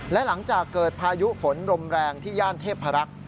และหลังจากเกิดพายุฝนลมแรงที่ย่านเทพรักษ์